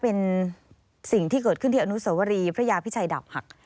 เป็นสิ่งที่เกิดขึ้นที่อนุสวรีพระยาพิชัยดาบหัก